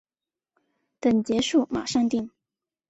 等结束马上订